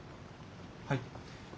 はい。